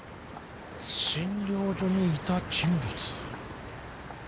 診療所にいた人物。